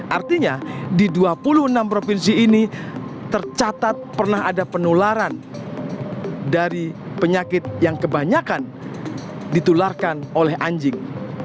artinya di dua puluh enam provinsi ini tercatat pernah ada penularan dari penyakit yang kebanyakan ditularkan oleh anjing